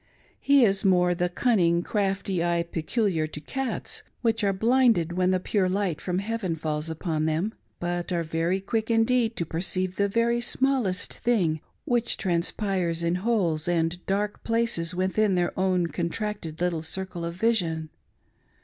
His is more the cunning, crafty eye peculiar to cats, which axe blinded when the pure light from heaven falls upon them, but are very quick indeed to perceive the very smallest thing which transpires in holes and dark places within their own contracted little circle of vision.